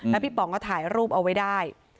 แล้วพี่ป๋องก็ถ่ายรูปเอาไว้ได้